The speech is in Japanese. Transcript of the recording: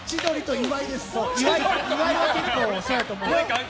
岩井は結構そうやと思う。